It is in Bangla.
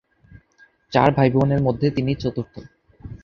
চার ভাইবোনের মধ্যে তিনি চতুর্থ।